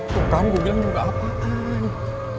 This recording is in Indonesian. tuh kamu gue bilang juga apaan